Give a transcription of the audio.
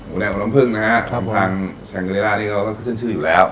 หมูแดงอบน้ำพึ่งนะฮะครับผมของทางแชงเกลียร่าที่เขาก็ขึ้นชื่ออยู่แล้ว